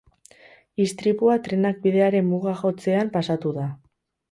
Istripua trenak bidearen muga jotzean pasatu da.